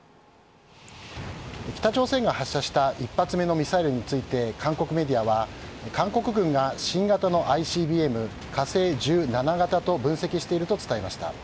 北朝鮮が発射した１発目のミサイルについて韓国メディアは、韓国軍が新型のＩＣＢＭ「火星１７型」と分析していると伝えました。